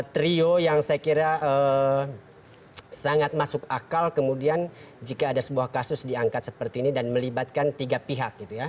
trio yang saya kira sangat masuk akal kemudian jika ada sebuah kasus diangkat seperti ini dan melibatkan tiga pihak gitu ya